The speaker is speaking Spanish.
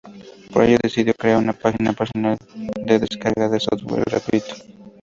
Por ello, decidió crear una página personal de descarga de software gratuito.